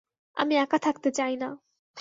আমি একা থাকতে চাই না।